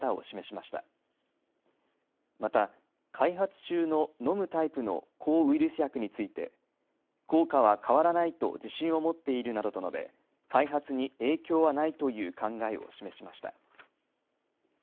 また開発中の飲むタイプの抗ウイルス薬について効果は変わらないと自信を持っているなどと述べ、開発に影響はないという考えを示しました。